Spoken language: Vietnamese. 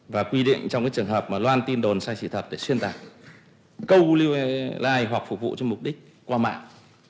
và quy định trong trường hợp loan tin đồn sai sự thật để xuyên tạc câu live hoặc phục vụ cho mục đích qua mạng